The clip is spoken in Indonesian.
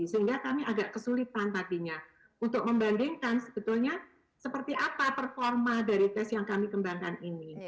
sehingga kami agak kesulitan tadinya untuk membandingkan sebetulnya seperti apa performa dari tes yang kami kembangkan ini